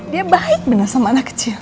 dia baik benar sama anak kecil